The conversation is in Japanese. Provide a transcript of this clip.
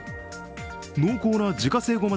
濃厚な自家製ごま